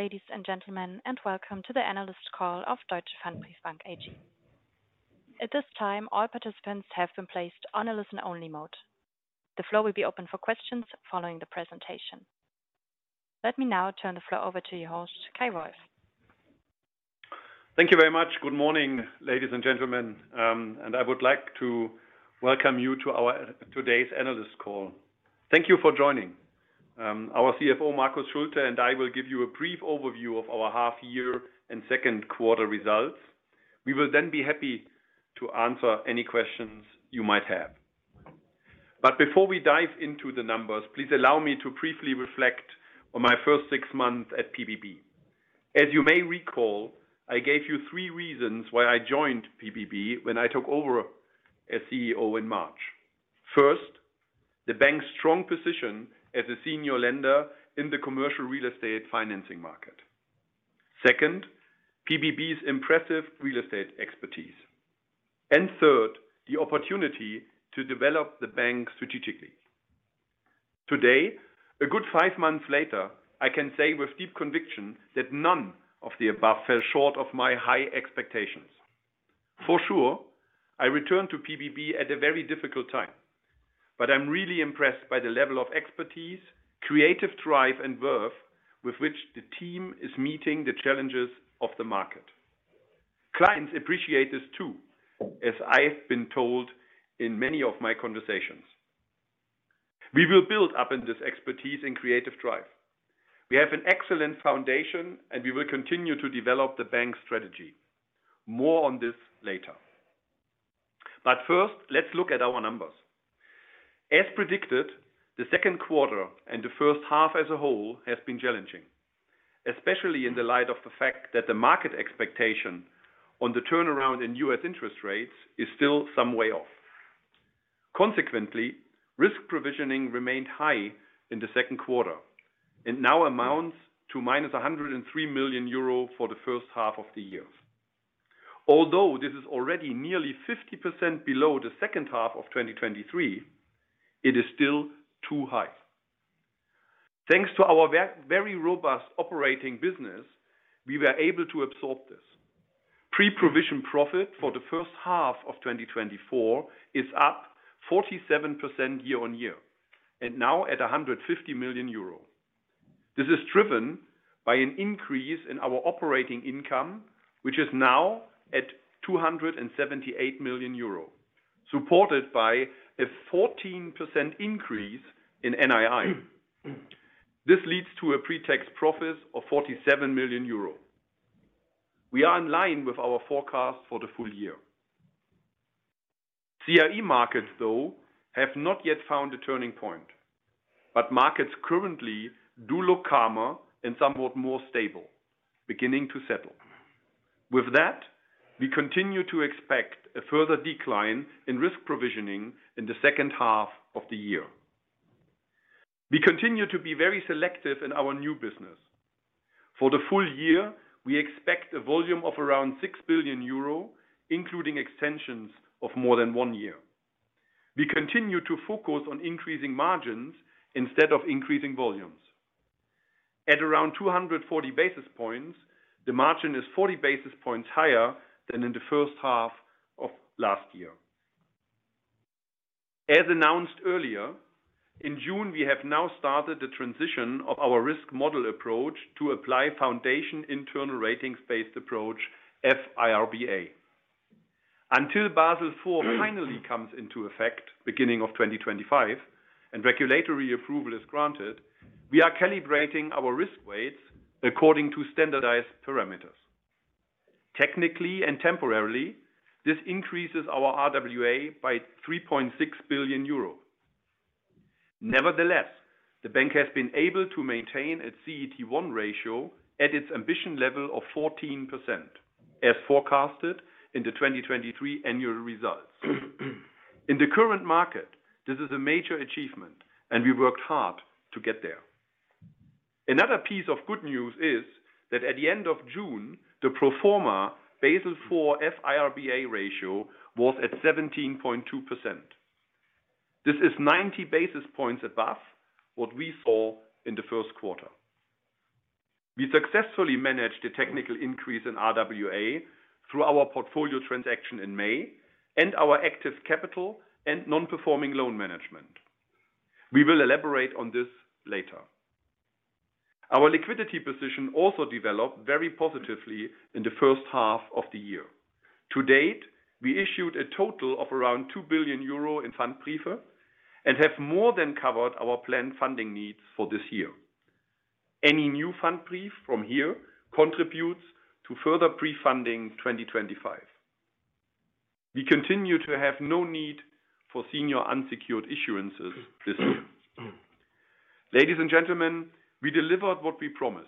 Ladies and gentlemen, and welcome to the analyst call of Deutsche Pfandbriefbank AG. At this time, all participants have been placed on a listen-only mode. The floor will be open for questions following the presentation. Let me now turn the floor over to your host, Kay Wolf. Thank you very much. Good morning, ladies and gentlemen, and I would like to welcome you to today's analyst call. Thank you for joining. Our CFO, Marcus Schulte, and I will give you a brief overview of our half year and second quarter results. We will then be happy to answer any questions you might have. But before we dive into the numbers, please allow me to briefly reflect on my first six months at PBB. As you may recall, I gave you three reasons why I joined PBB when I took over as CEO in March. First, the bank's strong position as a senior lender in the commercial real estate financing market. Second, PBB's impressive real estate expertise, and third, the opportunity to develop the bank strategically. Today, a good five months later, I can say with deep conviction that none of the above fell short of my high expectations. For sure, I returned to PBB at a very difficult time, but I'm really impressed by the level of expertise, creative drive, and verve with which the team is meeting the challenges of the market. Clients appreciate this too, as I've been told in many of my conversations. We will build up in this expertise and creative drive. We have an excellent foundation, and we will continue to develop the bank's strategy. More on this later. But first, let's look at our numbers. As predicted, the second quarter and the first half as a whole has been challenging, especially in the light of the fact that the market expectation on the turnaround in U.S. interest rates is still some way off. Consequently, risk provisioning remained high in the second quarter and now amounts to -103 million euro for the first half of the year. Although this is already nearly 50% below the second half of 2023, it is still too high. Thanks to our very robust operating business, we were able to absorb this. Pre-provision profit for the first half of 2024 is up 47% year-on-year, and now at 150 million euro. This is driven by an increase in our operating income, which is now at 278 million euro, supported by a 14% increase in NII. This leads to a pre-tax profit of 47 million euro. We are in line with our forecast for the full year. CRE markets, though, have not yet found a turning point, but markets currently do look calmer and somewhat more stable, beginning to settle. With that, we continue to expect a further decline in risk provisioning in the second half of the year. We continue to be very selective in our new business. For the full year, we expect a volume of around 6 billion euro, including extensions of more than one year. We continue to focus on increasing margins instead of increasing volumes. At around 240 basis points, the margin is 40 basis points higher than in the first half of last year. As announced earlier, in June, we have now started the transition of our risk model approach to apply Foundation Internal Ratings-Based Approach, F-IRB. Until Basel IV finally comes into effect beginning of 2025 and regulatory approval is granted, we are calibrating our risk weights according to standardized parameters. Technically and temporarily, this increases our RWA by 3.6 billion euro. Nevertheless, the bank has been able to maintain its CET1 ratio at its ambition level of 14%, as forecasted in the 2023 annual results. In the current market, this is a major achievement, and we worked hard to get there. Another piece of good news is that at the end of June, the pro forma Basel IV F-IRB ratio was at 17.2%. This is 90 basis points above what we saw in the first quarter. We successfully managed a technical increase in RWA through our portfolio transaction in May and our active capital and non-performing loan management. We will elaborate on this later. Our liquidity position also developed very positively in the first half of the year. To date, we issued a total of around 2 billion euro in Pfandbriefe and have more than covered our planned funding needs for this year. Any new Pfandbriefe from here contributes to further pre-funding 2025. We continue to have no need for senior unsecured issuances this year. Ladies and gentlemen, we delivered what we promised.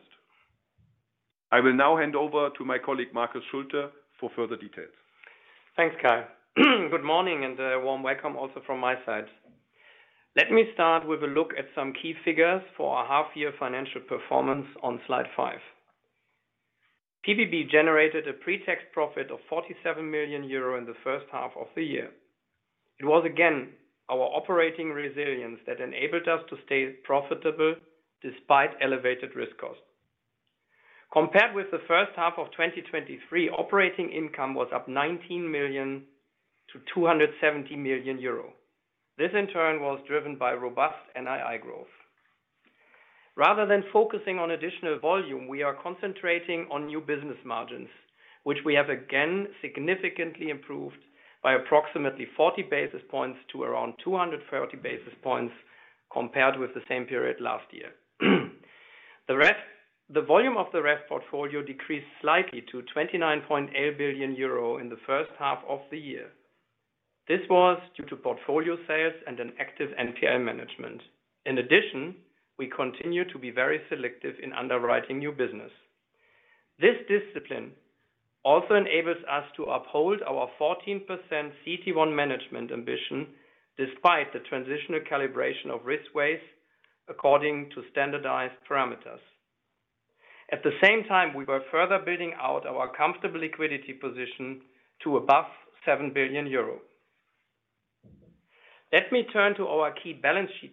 I will now hand over to my colleague, Marcus Schulte, for further details. Thanks, Kay. Good morning, and a warm welcome also from my side. Let me start with a look at some key figures for our half-year financial performance on Slide five. PBB generated a pre-tax profit of 47 million euro in the first half of the year. It was, again, our operating resilience that enabled us to stay profitable despite elevated risk costs. Compared with the first half of 2023, operating income was up 19 million-270 million euro. This, in turn, was driven by robust NII growth. Rather than focusing on additional volume, we are concentrating on new business margins, which we have again, significantly improved by approximately 40 basis points to around 230 basis points, compared with the same period last year. The REF, the volume of the REF portfolio decreased slightly to 29.8 billion euro in the first half of the year. This was due to portfolio sales and an active NPL management. In addition, we continue to be very selective in underwriting new business. This discipline also enables us to uphold our 14% CET1 management ambition, despite the transitional calibration of risk weights according to standardized parameters. At the same time, we were further building out our comfortable liquidity position to above 7 billion euro. Let me turn to our key balance sheet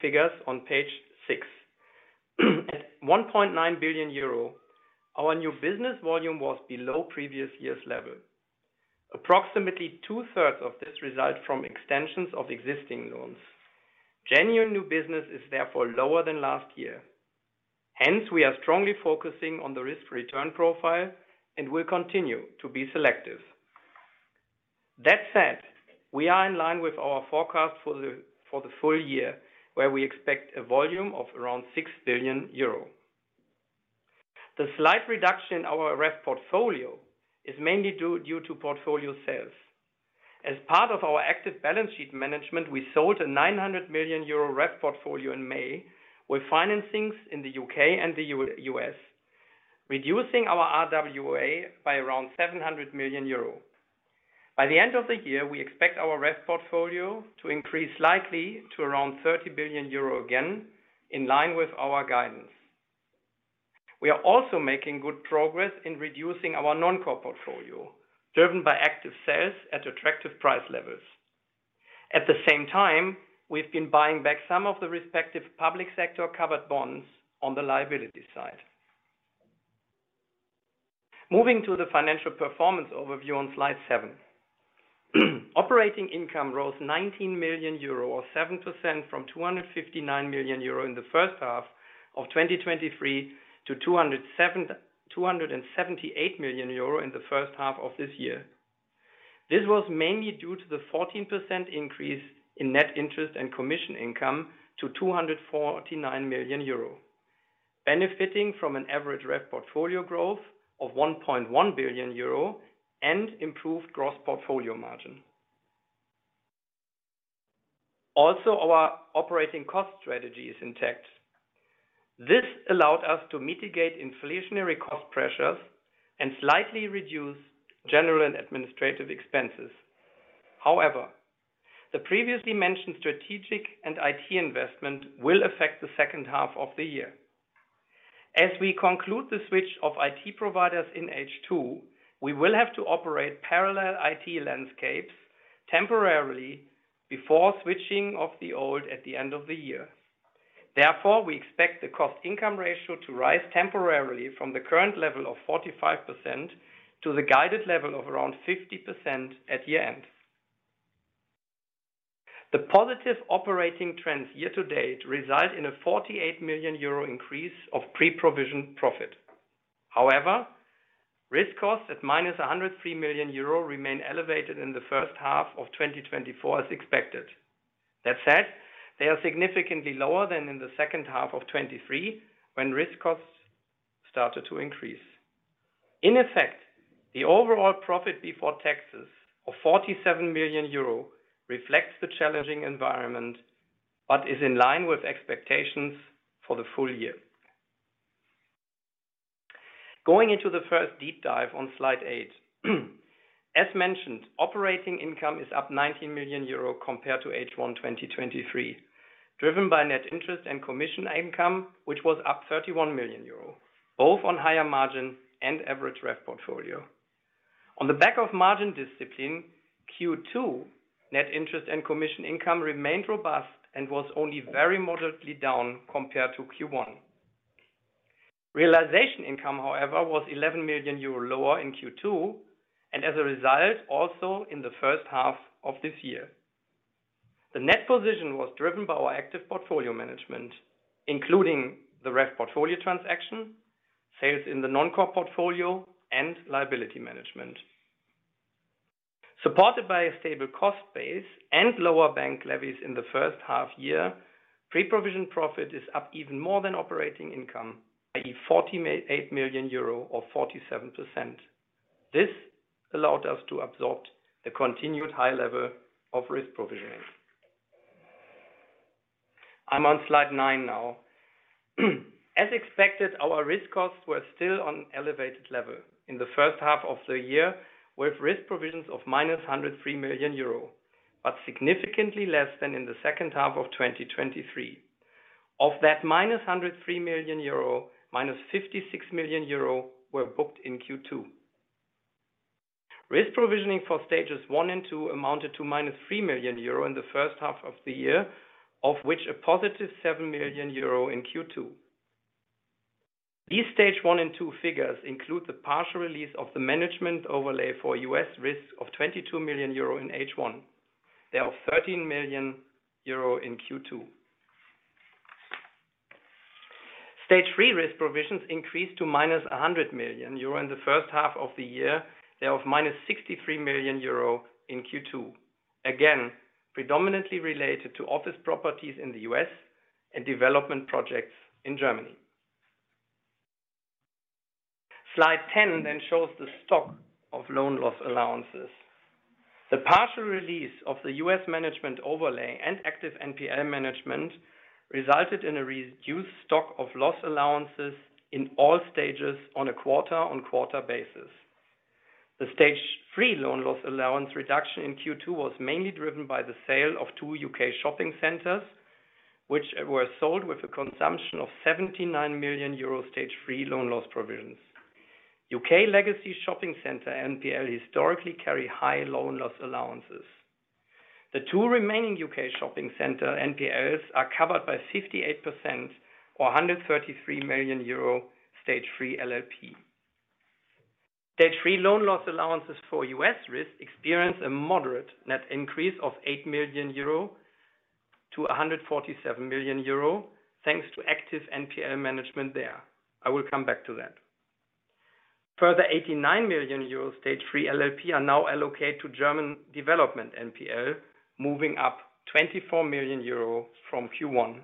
figures on Page six. At 1.9 billion euro, our new business volume was below previous year's level. Approximately 2/3 of this result from extensions of existing loans. Genuine new business is therefore lower than last year. Hence, we are strongly focusing on the risk-return profile and will continue to be selective. That said, we are in line with our forecast for the full year, where we expect a volume of around 6 billion euro. The slight reduction in our REF portfolio is mainly due to portfolio sales. As part of our active balance sheet management, we sold a 900 million euro REF portfolio in May, with financings in the U.K. and the U.S., reducing our RWA by around 700 million euro. By the end of the year, we expect our REF portfolio to increase slightly to around 30 billion euro again, in line with our guidance. We are also making good progress in reducing our non-core portfolio, driven by active sales at attractive price levels. At the same time, we've been buying back some of the respective public sector-covered bonds on the liability side. Moving to the financial performance overview on Slide seven. Operating income rose 19 million euro, or 7% from 259 million euro in the first half of 2023 to 278 million euro in the first half of this year. This was mainly due to the 14% increase in net interest and commission income to 249 million euro, benefiting from an average REF portfolio growth of 1.1 billion euro and improved gross portfolio margin. Also, our operating cost strategy is intact. This allowed us to mitigate inflationary cost pressures and slightly reduce general and administrative expenses. However, the previously mentioned strategic and IT investment will affect the second half of the year. As we conclude the switch of IT providers in H2, we will have to operate parallel IT landscapes temporarily before switching off the old at the end of the year. Therefore, we expect the cost-income ratio to rise temporarily from the current level of 45% to the guided level of around 50% at year-end. The positive operating trends year-to-date result in a 48 million euro increase of pre-provision profit. However, risk costs at -103 million euro remain elevated in the first half of 2024, as expected. That said, they are significantly lower than in the second half of 2023, when risk costs started to increase. In effect, the overall profit before taxes of 47 million euro reflects the challenging environment, but is in line with expectations for the full year. Going into the first deep dive on Slide eight. As mentioned, operating income is up 19 million euro compared to H1 2023, driven by net interest and commission income, which was up 31 million euro, both on higher margin and average REF portfolio. On the back of margin discipline, Q2 net interest and commission income remained robust and was only very moderately down compared to Q1. Realization income, however, was 11 million euro lower in Q2, and as a result, also in the first half of this year. The net position was driven by our active portfolio management, including the REF portfolio transaction, sales in the non-core portfolio, and liability management. Supported by a stable cost base and lower bank levies in the first half year, pre-provision profit is up even more than operating income, i.e., 48 million euro or 47%. This allowed us to absorb the continued high level of risk provisioning. I'm on slide nine now. As expected, our risk costs were still on an elevated level in the first half of the year, with risk provisions of -103 million euro, but significantly less than in the second half of 2023. Of that -103 million euro, -56 million euro were booked in Q2. Risk provisioning for Stages one and two amounted to -3 million euro in the first half of the year, of which a +7 million euro in Q2. These Stage 1 and 2 figures include the partial release of the management overlay for U.S. risk of 22 million euro in H1. They are 13 million euro in Q2. Stage 3 risk provisions increased to -100 million euro in the first half of the year. They are of -63 million euro in Q2, again, predominantly related to office properties in the U.S. and development projects in Germany. Slide 10 then shows the stock of loan loss allowances. The partial release of the U.S. management overlay and active NPL management resulted in a reduced stock of loss allowances in all stages on a quarter-on-quarter basis. The Stage 3 loan loss allowance reduction in Q2 was mainly driven by the sale of two U.K. shopping centers, which were sold with a consumption of 79 million euro Stage 3 loan loss provisions. U.K. legacy shopping center NPLs historically carry high loan loss allowances. The two remaining U.K. shopping center NPLs are covered by 58% or 133 million euro Stage 3 LLP. Stage 3 loan loss allowances for U.S. risk experienced a moderate net increase of 8 million-147 million euro, thanks to active NPL management there. I will come back to that. Further 89 million euro Stage 3 LLP are now allocated to German development NPL, moving up 24 million euro from Q1.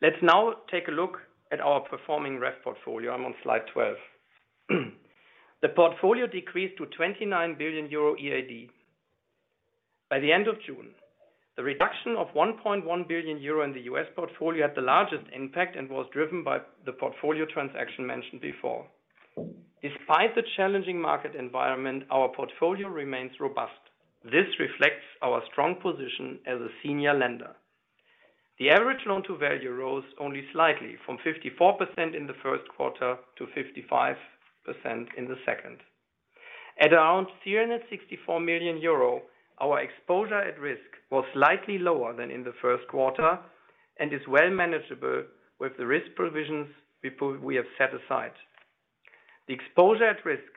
Let's now take a look at our performing REF portfolio. I'm on slide 12. The portfolio decreased to 29 billion euro EAD. By the end of June, the reduction of 1.1 billion euro in the U.S. portfolio had the largest impact and was driven by the portfolio transaction mentioned before. Despite the challenging market environment, our portfolio remains robust. This reflects our strong position as a senior lender. The average loan-to-value rose only slightly from 54% in the first quarter to 55% in the second. At around 364 million euro, our exposure at risk was slightly lower than in the first quarter and is well manageable with the risk provisions we have set aside. The exposure at risk,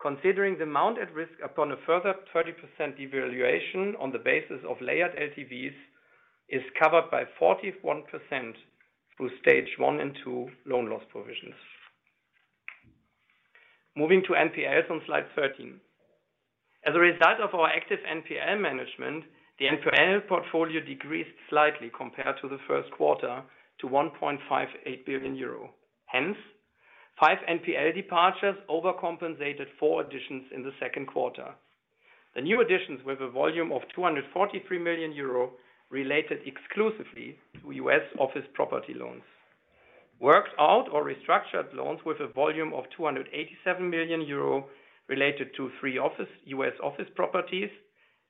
considering the amount at risk upon a further 30% devaluation on the basis of layered LTVs, is covered by 41% through Stage 1 and 2 loan loss provisions. Moving to NPLs on Slide 13. As a result of our active NPL management, the NPL portfolio decreased slightly compared to the first quarter to 1.58 billion euro. Hence, five NPL departures overcompensated four additions in the second quarter. The new additions, with a volume of 243 million euro, related exclusively to U.S. office property loans. Worked out or restructured loans with a volume of 287 million euro related to three U.S. office properties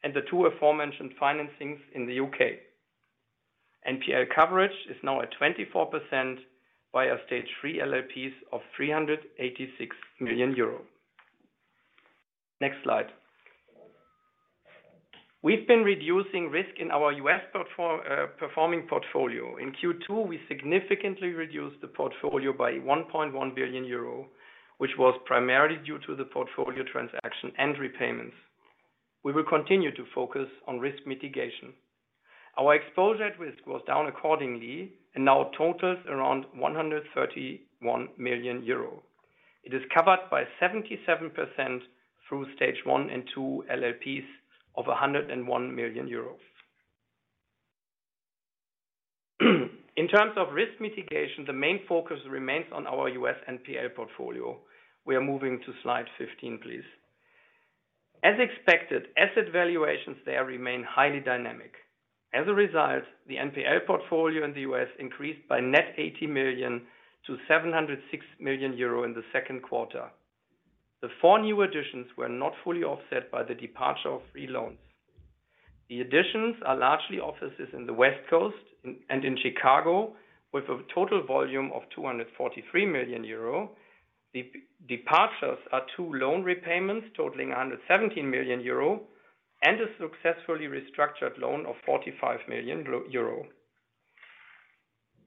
and the two aforementioned financings in the U.K. NPL coverage is now at 24% via Stage 3 LLPs of 386 million euro. Next slide. We've been reducing risk in our U.S. performing portfolio. In Q2, we significantly reduced the portfolio by 1.1 billion euro, which was primarily due to the portfolio transaction and repayments. We will continue to focus on risk mitigation. Our exposure at risk was down accordingly and now totals around 131 million euro. It is covered by 77% through Stage 1 and 2 LLPs of 101 million euros. In terms of risk mitigation, the main focus remains on our US NPL portfolio. We are moving to Slide 15, please. As expected, asset valuations there remain highly dynamic. As a result, the NPL portfolio in the U.S. increased by net 80 million-706 million euro in the second quarter. The four new additions were not fully offset by the departure of three loans. The additions are largely offices in the West Coast and in Chicago, with a total volume of 243 million euro. The departures are two loan repayments totaling 117 million euro and a successfully restructured loan of 45 million euro.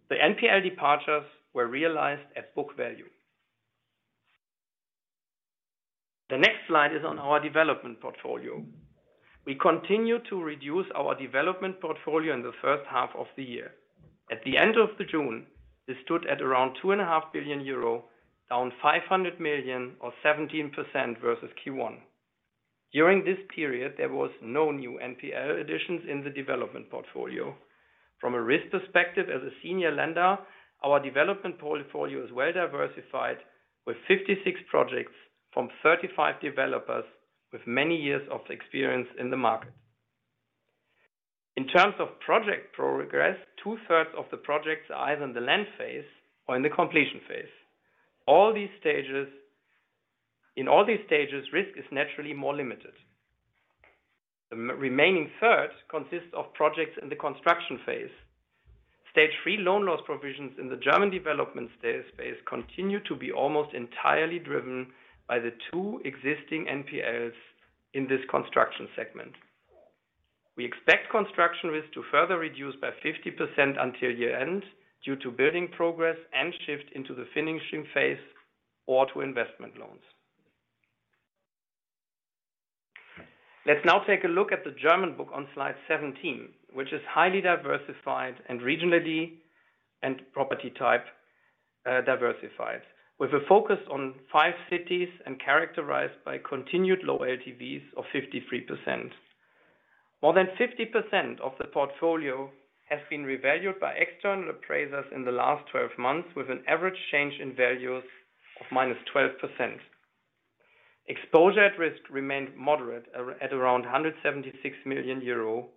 The NPL departures were realized at book value. The next slide is on our development portfolio. We continue to reduce our development portfolio in the first half of the year. At the end of June, this stood at around 2.5 billion euro, down 500 million or 17% versus Q1. During this period, there was no new NPL additions in the development portfolio. From a risk perspective, as a senior lender, our development portfolio is well diversified, with 56 projects from 35 developers with many years of experience in the market. In terms of project progress, two-thirds of the projects are either in the land phase or in the completion phase. In all these stages, risk is naturally more limited. The remaining third consists of projects in the construction phase. Stage 3 loan loss provisions in the German development space continue to be almost entirely driven by the two existing NPLs in this construction segment. We expect construction risk to further reduce by 50% until year-end, due to building progress and shift into the finishing phase or to investment loans. Let's now take a look at the German book on Slide 17, which is highly diversified and regionally and property type diversified, with a focus on five cities and characterized by continued low LTVs of 53%. More than 50% of the portfolio has been revalued by external appraisers in the last 12 months, with an average change in values of -12%. Exposure at risk remained moderate at around 176 million euro,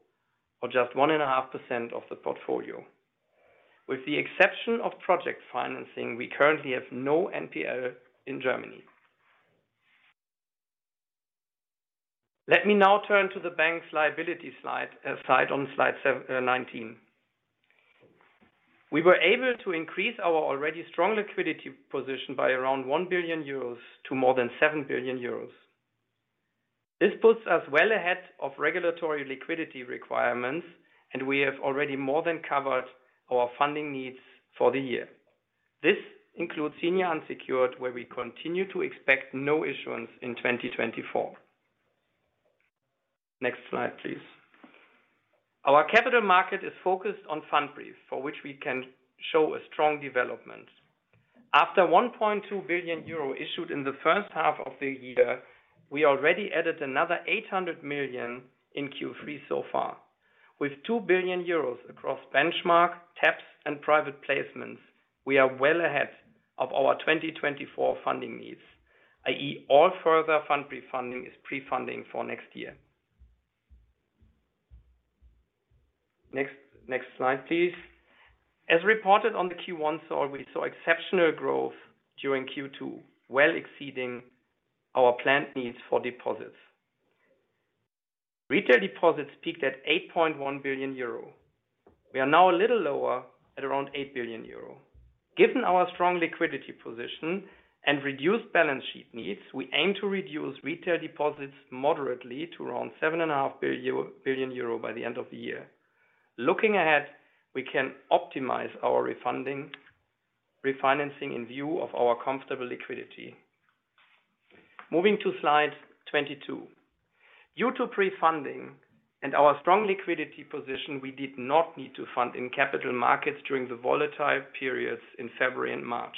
or just 1.5% of the portfolio. With the exception of project financing, we currently have no NPL in Germany. Let me now turn to the bank's liability slide, as tied on Slide 19. We were able to increase our already strong liquidity position by around 1 billion euros to more than 7 billion euros. This puts us well ahead of regulatory liquidity requirements, and we have already more than covered our funding needs for the year. This includes senior unsecured, where we continue to expect no issuance in 2024. Next slide, please. Our capital market is focused on Pfandbrief, for which we can show a strong development. After 1.2 billion euro issued in the first half of the year, we already added another 800 million in Q3 so far. With 2 billion euros across benchmark, taps, and private placements, we are well ahead of our 2024 funding needs, i.e., all further Pfandbrief pre-funding is pre-funding for next year. Next, next slide, please. As reported on the Q1 call, we saw exceptional growth during Q2, well exceeding our planned needs for deposits. Retail deposits peaked at 8.1 billion euro. We are now a little lower at around 8 billion euro. Given our strong liquidity position and reduced balance sheet needs, we aim to reduce retail deposits moderately to around 7.5 billion euro by the end of the year. Looking ahead, we can optimize our refunding, refinancing in view of our comfortable liquidity. Moving to Slide 22. Due to pre-funding and our strong liquidity position, we did not need to fund in capital markets during the volatile periods in February and March.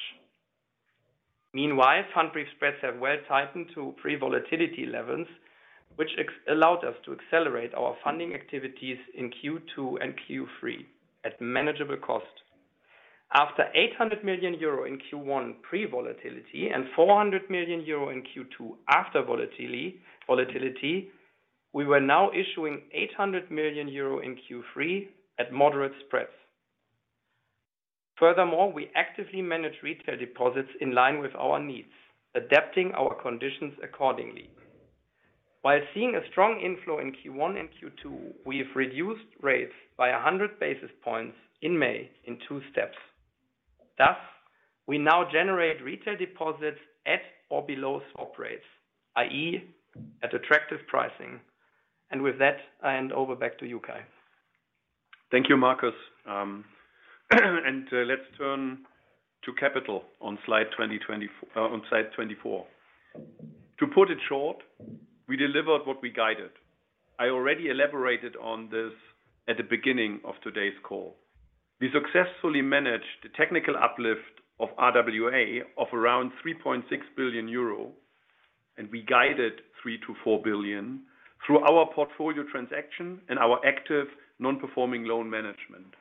Meanwhile, Pfandbriefe spreads have well tightened to pre-volatility levels, which allowed us to accelerate our funding activities in Q2 and Q3 at manageable cost. After 800 million euro in Q1 pre-volatility and 400 million euro in Q2 after volatility, we were now issuing 800 million euro in Q3 at moderate spreads. Furthermore, we actively manage retail deposits in line with our needs, adapting our conditions accordingly. While seeing a strong inflow in Q1 and Q2, we've reduced rates by 100 basis points in May in two steps. Thus, we now generate retail deposits at or below swap rates, i.e., at attractive pricing. And with that, I hand over back to you, Kay. Thank you, Marcus. Let's turn to capital on Slide 24. To put it short, we delivered what we guided. I already elaborated on this at the beginning of today's call. We successfully managed the technical uplift of RWA of around 3.6 billion euro, and we guided 3 billion-4 billion through our portfolio transaction and our active non-performing loan management.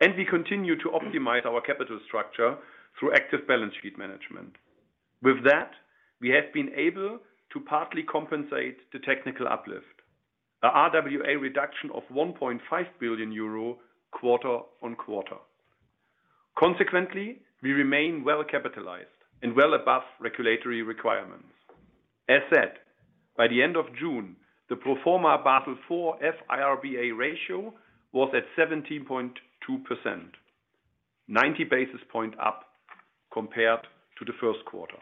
We continue to optimize our capital structure through active balance sheet management. With that, we have been able to partly compensate the technical uplift, a RWA reduction of 1.5 billion euro quarter-on-quarter. Consequently, we remain well capitalized and well above regulatory requirements. As said, by the end of June, the pro forma Basel IV F-IRB ratio was at 17.2%, 90 basis points up compared to the first quarter.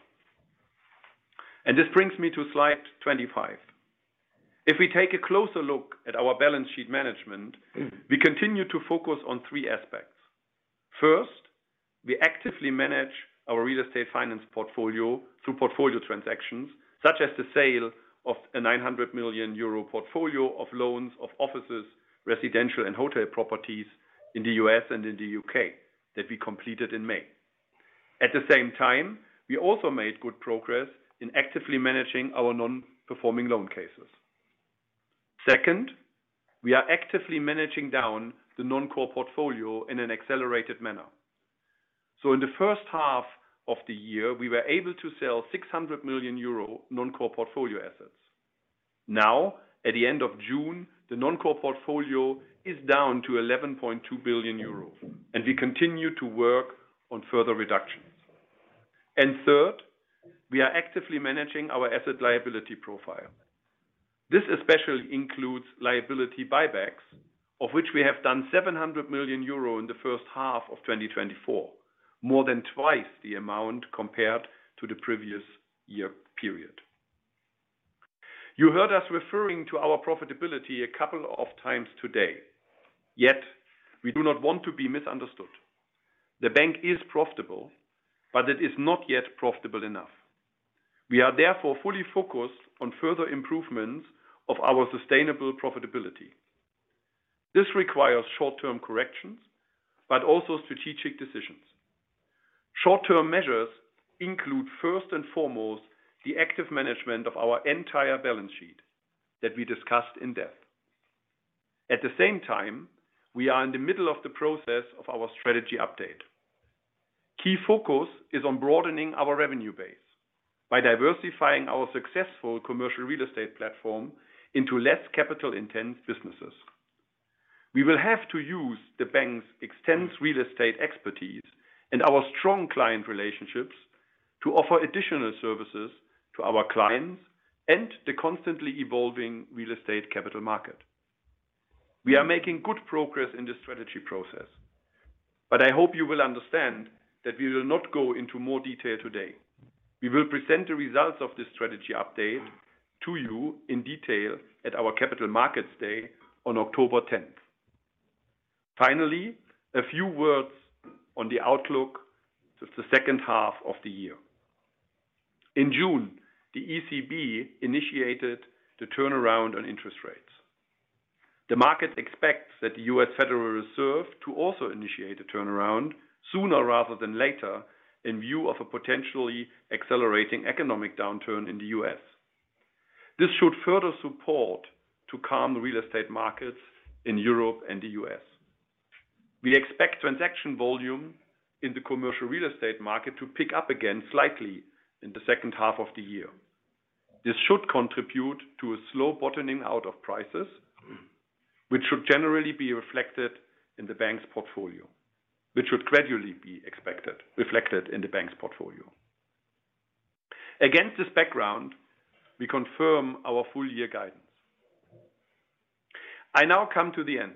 This brings me to Slide 25. If we take a closer look at our balance sheet management, we continue to focus on three aspects. First, we actively manage our real estate finance portfolio through portfolio transactions, such as the sale of a 900 million euro portfolio of loans of offices, residential, and hotel properties in the U.S. and in the U.K. that we completed in May. At the same time, we also made good progress in actively managing our non-performing loan cases. Second, we are actively managing down the non-core portfolio in an accelerated manner. In the first half of the year, we were able to sell 600 million euro non-core portfolio assets.... Now, at the end of June, the non-core portfolio is down to 11.2 billion euros, and we continue to work on further reductions. And third, we are actively managing our asset liability profile. This especially includes liability buybacks, of which we have done 700 million euro in the first half of 2024, more than twice the amount compared to the previous year period. You heard us referring to our profitability a couple of times today, yet we do not want to be misunderstood. The bank is profitable, but it is not yet profitable enough. We are therefore fully focused on further improvements of our sustainable profitability. This requires short-term corrections, but also strategic decisions. Short-term measures include, first and foremost, the active management of our entire balance sheet that we discussed in depth. At the same time, we are in the middle of the process of our strategy update. Key focus is on broadening our revenue base by diversifying our successful commercial real estate platform into less capital-intensive businesses. We will have to use the bank's extensive real estate expertise and our strong client relationships to offer additional services to our clients and the constantly evolving real estate capital market. We are making good progress in the strategy process, but I hope you will understand that we will not go into more detail today. We will present the results of this strategy update to you in detail at our Capital Markets Day on October tenth. Finally, a few words on the outlook for the second half of the year. In June, the ECB initiated the turnaround on interest rates. The market expects that the U.S. Federal Reserve to also initiate a turnaround sooner rather than later, in view of a potentially accelerating economic downturn in the U.S. This should further support to calm the real estate markets in Europe and the U.S. We expect transaction volume in the commercial real estate market to pick up again slightly in the second half of the year. This should contribute to a slow bottoming out of prices, which should generally be reflected in the bank's portfolio, which would gradually be reflected in the bank's portfolio. Against this background, we confirm our full year guidance. I now come to the end.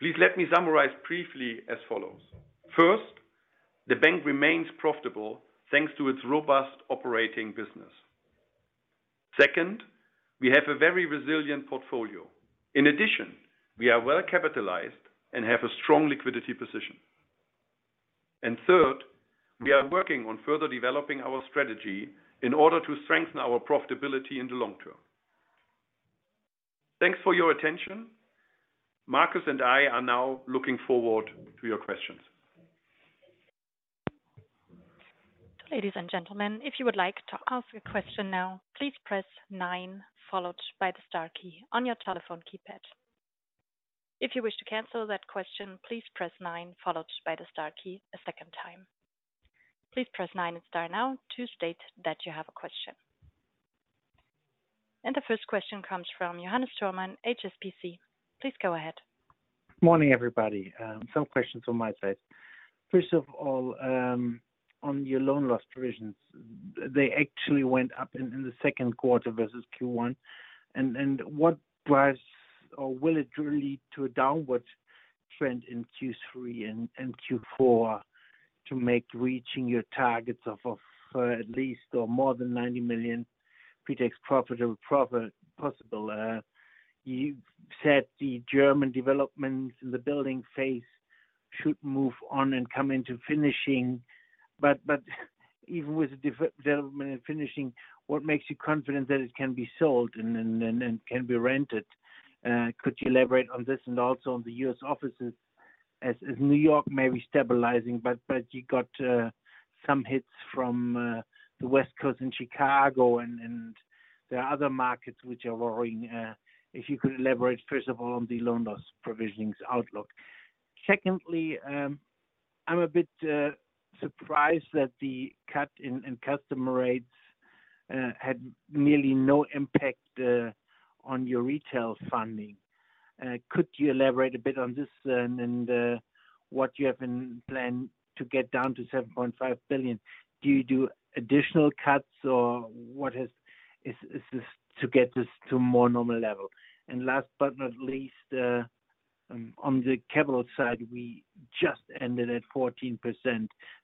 Please let me summarize briefly as follows: First, the bank remains profitable thanks to its robust operating business. Second, we have a very resilient portfolio. In addition, we are well capitalized and have a strong liquidity position. And third, we are working on further developing our strategy in order to strengthen our profitability in the long term. Thanks for your attention. Marcus and I are now looking forward to your questions. Ladies and gentlemen, if you would like to ask a question now, please press nine, followed by the star key on your telephone keypad. If you wish to cancel that question, please press nine, followed by the star key a second time. Please press nine and star now to state that you have a question. The first question comes from Johannes Thormann, HSBC. Please go ahead. Morning, everybody, some questions on my side. First of all, on your loan loss provisions, they actually went up in the second quarter versus Q1. And what drives or will it really to a downward trend in Q3 and Q4 to make reaching your targets of at least or more than 90 million pre-tax profit possible? You said the German developments in the building phase should move on and come into finishing, but even with the development and finishing, what makes you confident that it can be sold and can be rented? Could you elaborate on this and also on the U.S. offices as New York may be stabilizing, but you got some hits from the West Coast and Chicago and there are other markets which are worrying. If you could elaborate, first of all, on the loan loss provisionings outlook. Secondly, I'm a bit surprised that the cut in customer rates had nearly no impact on your retail funding. Could you elaborate a bit on this and what you have in plan to get down to 7.5 billion? Do you do additional cuts or what is this to get this to a more normal level? And last but not least, on the capital side, we just ended at 14%,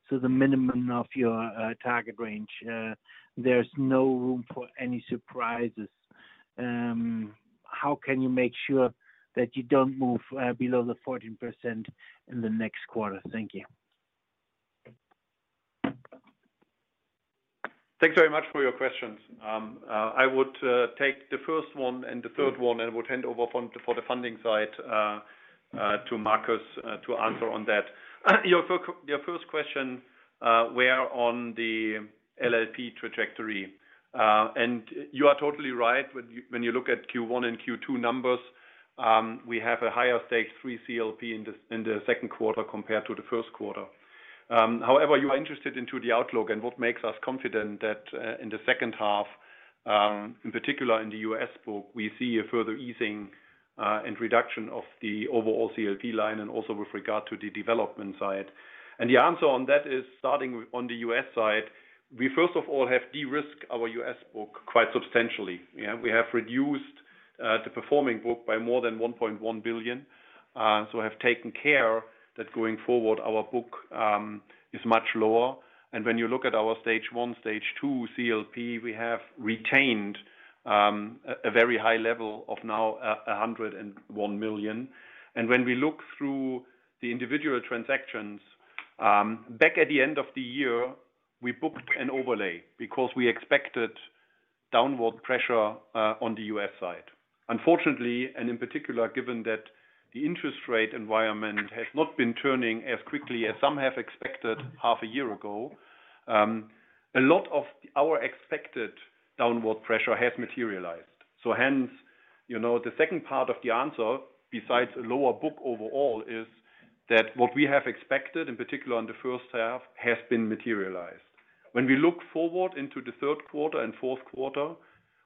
so the minimum of your target range, there's no room for any surprises. How can you make sure that you don't move below the 14% in the next quarter? Thank you. Thanks very much for your questions. I would take the first one and the third one, and would hand over for the funding side to Marcus to answer on that. Your first question, where on the LLP trajectory? And you are totally right when you look at Q1 and Q2 numbers, we have a higher Stage 3 LLP in the second quarter compared to the first quarter. However, you are interested into the outlook and what makes us confident that in the second half, in particular in the U.S. book, we see a further easing and reduction of the overall LLP line and also with regard to the development side. And the answer on that is starting on the U.S. side, we first of all have de-risked our U.S. book quite substantially. Yeah, we have reduced the performing book by more than 1.1 billion. So have taken care that going forward, our book is much lower. And when you look at our Stage one, Stage two CLP, we have retained a very high level of now 101 million. And when we look through the individual transactions back at the end of the year, we booked an overlay because we expected downward pressure on the U.S. side. Unfortunately, and in particular, given that the interest rate environment has not been turning as quickly as some have expected half a year ago, a lot of our expected downward pressure has materialized. So hence, you know, the second part of the answer, besides a lower book overall, is that what we have expected, in particular in the first half, has been materialized. When we look forward into the third quarter and fourth quarter,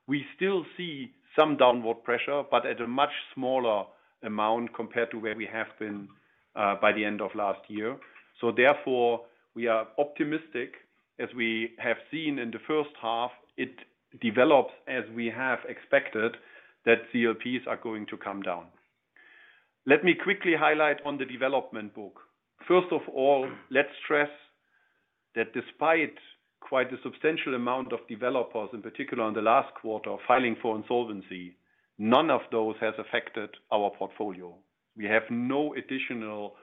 we still see some downward pressure, but at a much smaller amount compared to where we have been by the end of last year. So therefore, we are optimistic, as we have seen in the first half, it develops as we have expected, that CLPs are going to come down. Let me quickly highlight on the development book. First of all, let's stress that despite quite a substantial amount of developers, in particular on the last quarter, filing for insolvency, none of those has affected our portfolio. We have no additional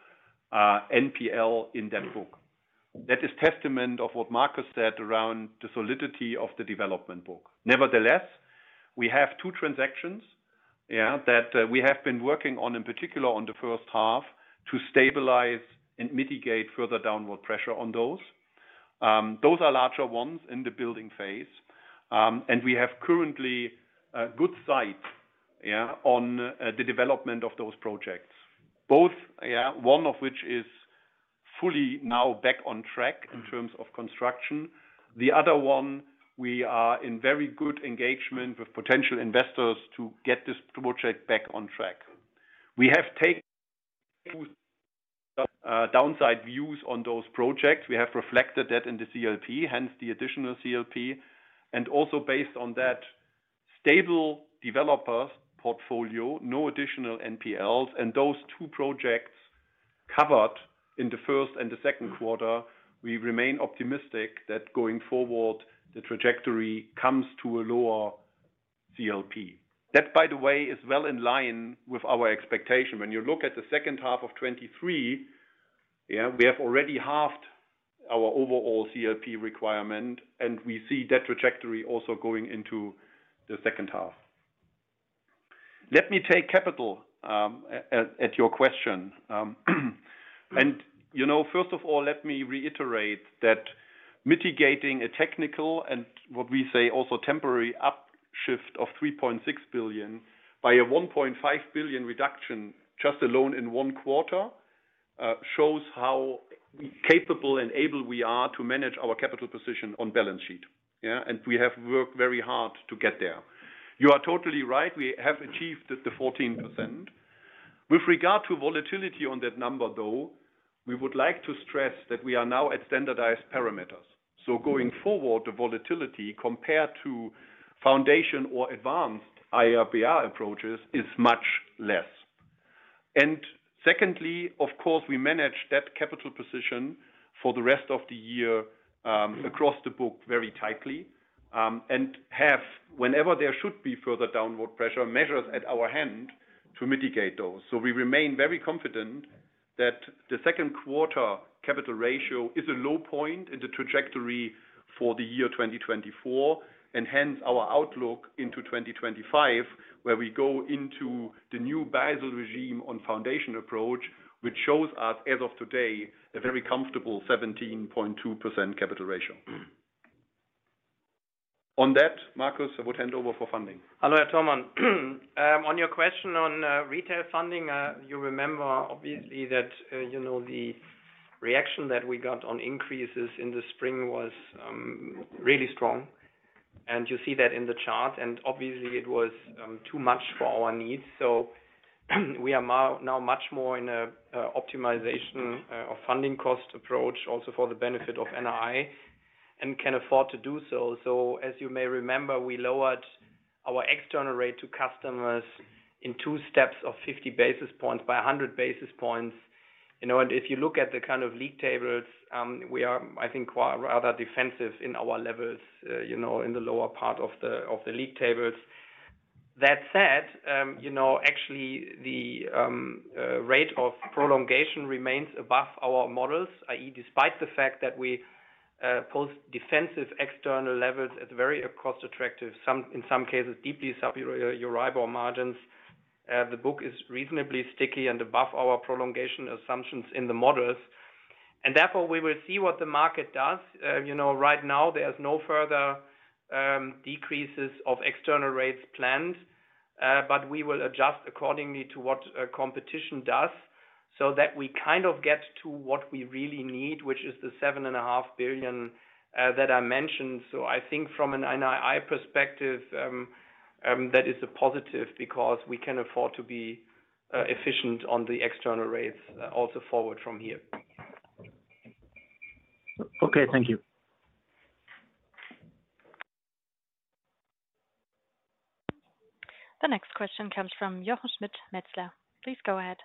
NPL in that book. That is testament of what Marcus said around the solidity of the development book. Nevertheless, we have two transactions, that, we have been working on, in particular on the first half, to stabilize and mitigate further downward pressure on those. Those are larger ones in the building phase. And we have currently a good sight on the development of those projects. Both, one of which is fully now back on track in terms of construction. The other one, we are in very good engagement with potential investors to get this project back on track. We have taken downside views on those projects. We have reflected that in the CLP, hence the additional CLP, and also based on that stable developer portfolio, no additional NPLs, and those two projects covered in the first and the second quarter, we remain optimistic that going forward, the trajectory comes to a lower CLP. That, by the way, is well in line with our expectation. When you look at the second half of 2023, yeah, we have already halved our overall CLP requirement, and we see that trajectory also going into the second half. Let me take capital, at your question. You know, first of all, let me reiterate that mitigating a technical and what we say, also temporary upshift of 3.6 billion by a 1.5 billion reduction, just alone in one quarter, shows how capable and able we are to manage our capital position on balance sheet. Yeah, and we have worked very hard to get there. You are totally right. We have achieved the 14%. With regard to volatility on that number, though, we would like to stress that we are now at standardized parameters. So going forward, the volatility compared to foundation or advanced IRB approaches is much less. And secondly, of course, we manage that capital position for the rest of the year, across the book, very tightly, and have, whenever there should be further downward pressure, measures at our hand to mitigate those. So we remain very confident that the second quarter capital ratio is a low point in the trajectory for the year 2024, and hence our outlook into 2025, where we go into the new Basel regime on foundation approach, which shows us, as of today, a very comfortable 17.2% capital ratio. On that, Marcus, I would hand over for funding. Hello, Johannes Thormann. On your question on retail funding, you remember obviously that you know, the reaction that we got on increases in the spring was really strong, and you see that in the chart, and obviously it was too much for our needs. So we are now much more in a optimization of funding cost approach, also for the benefit of NII, and can afford to do so. So as you may remember, we lowered our external rate to customers in two steps of 50 basis points by 100 basis points. You know, and if you look at the kind of league tables, we are, I think, quite rather defensive in our levels, you know, in the lower part of the league tables. That said, you know, actually the rate of prolongation remains above our models, i.e., despite the fact that we post defensive external levels at very cost attractive, in some cases, deeply superior euro margins, the book is reasonably sticky and above our prolongation assumptions in the models, and therefore, we will see what the market does. You know, right now there's no further decreases of external rates planned.... but we will adjust accordingly to what competition does, so that we kind of get to what we really need, which is the 7.5 billion that I mentioned. So I think from an NII perspective, that is a positive because we can afford to be efficient on the external rates also forward from here. Okay, thank you. The next question comes from Jochen Schmitt, Metzler. Please go ahead.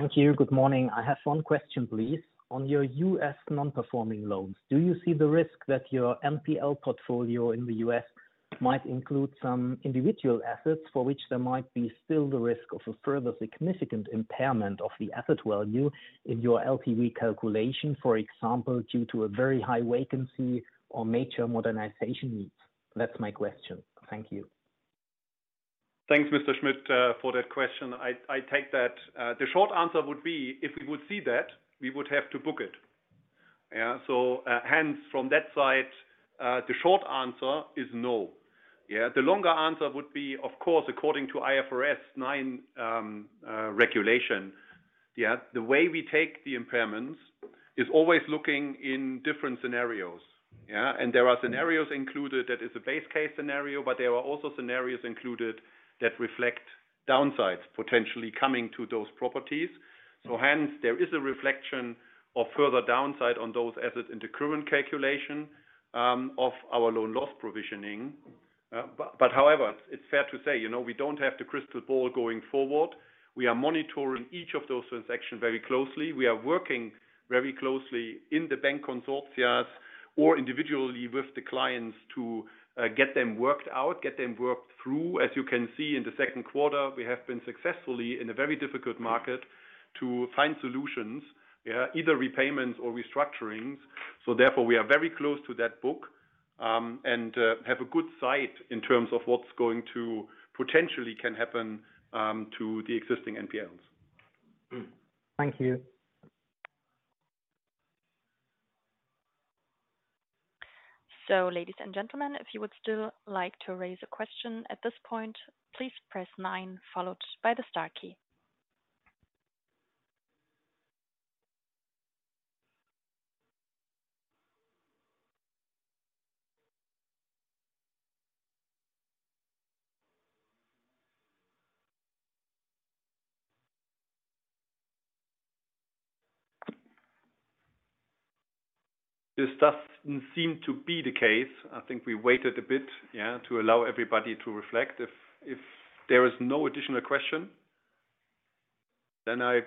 Thank you. Good morning. I have one question, please. On your U.S. non-performing loans, do you see the risk that your NPL portfolio in the U.S. might include some individual assets for which there might be still the risk of a further significant impairment of the asset value in your LTV calculation, for example, due to a very high vacancy or major modernization needs? That's my question. Thank you. Thanks, Mr. Schmitt, for that question. I take that. The short answer would be, if we would see that, we would have to book it. Yeah, so, hence, from that side, the short answer is no. Yeah. The longer answer would be, of course, according to IFRS 9, regulation, yeah, the way we take the impairments is always looking in different scenarios, yeah? And there are scenarios included that is a base case scenario, but there are also scenarios included that reflect downsides potentially coming to those properties. So hence, there is a reflection of further downside on those assets in the current calculation, of our loan loss provisioning. But however, it's fair to say, you know, we don't have the crystal ball going forward. We are monitoring each of those transactions very closely. We are working very closely in the bank consortias or individually with the clients to get them worked out, get them worked through. As you can see, in the second quarter, we have been successfully in a very difficult market to find solutions, either repayments or restructurings. So therefore, we are very close to that book, and have a good sight in terms of what's going to potentially can happen to the existing NPLs. Thank you. So, ladies and gentlemen, if you would still like to raise a question at this point, please press nine followed by the star key. This doesn't seem to be the case. I think we waited a bit, yeah, to allow everybody to reflect. If there is no additional question, then I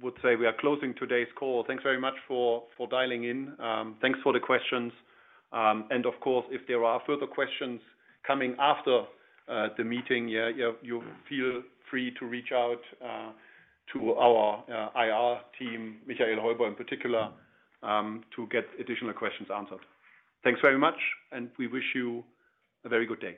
would say we are closing today's call. Thanks very much for dialing in. Thanks for the questions. And of course, if there are further questions coming after the meeting, you feel free to reach out to our IR team, Michael Heuber in particular, to get additional questions answered. Thanks very much, and we wish you a very good day.